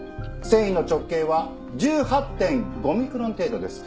繊維の直径は１８．５ミクロン程度です。